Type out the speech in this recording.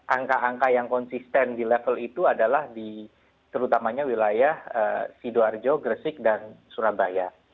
angka angka yang konsisten di level itu adalah di terutamanya wilayah sidoarjo gresik dan surabaya